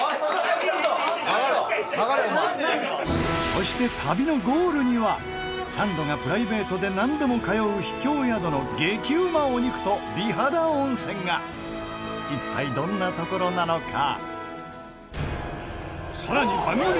そして、旅のゴールにはサンドがプライベートで何度も通う秘境温泉宿の激うまお肉と美肌温泉が一体、どんな所なのか？